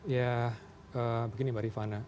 ya begini mbak rifana